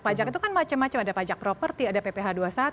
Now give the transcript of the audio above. pajak itu kan macam macam ada pajak properti ada pph dua puluh satu